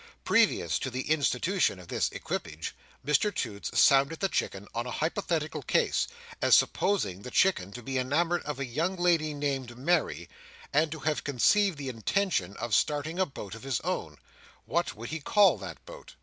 Previous to the institution of this equipage, Mr Toots sounded the Chicken on a hypothetical case, as, supposing the Chicken to be enamoured of a young lady named Mary, and to have conceived the intention of starting a boat of his own, what would he call that boat?